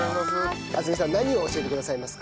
敦美さん何を教えてくださいますか？